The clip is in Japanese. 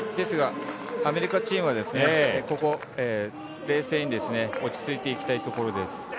アメリカチームは冷静に落ち着いていきたいところです。